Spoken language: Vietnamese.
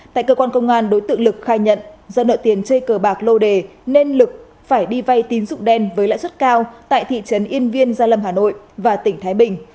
tại cơ quan công an đối tượng lực khai nhận do nợ tiền chơi cờ bạc lô đề nên lực phải đi vay tín dụng đen với lãi suất cao tại thị trấn yên viên gia lâm hà nội và tỉnh thái bình